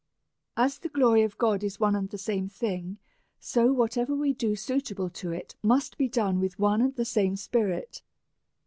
As the glory of God is one and the same thing, so whatever we do suitable to it must be done with one and the same spirit.